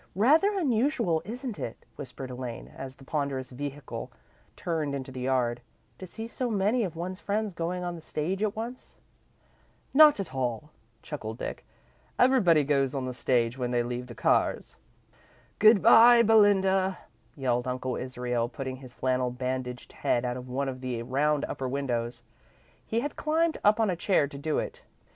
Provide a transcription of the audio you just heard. "Rather unusual, isn't it?" whispered Elaine, as the ponderous vehicle turned into the yard, "to see so many of one's friends going on the stage at once?" "Not at all," chuckled Dick. "Everybody goes on the stage when they leave the Carrs." "Good bye, Belinda," yelled Uncle Israel, putting his flannel bandaged head out of one of the round upper windows. He had climbed up on a chair to do it.